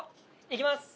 いきます！